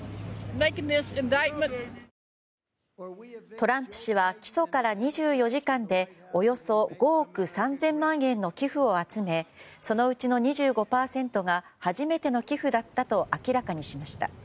トランプ氏は起訴から２４時間でおよそ５億３０００万円の寄付を集めそのうちの２５％が初めての寄付だったと明らかにしました。